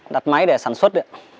đặt máy để sản xuất